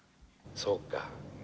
そうか。